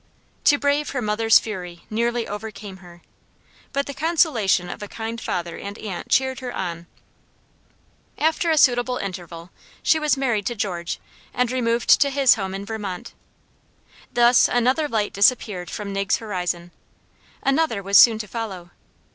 To brave her mother's fury, nearly overcame her, but the consolation of a kind father and aunt cheered her on. After a suitable interval she was married to George, and removed to his home in Vermont. Thus another light disappeared from Nig's horizon. Another was soon to follow.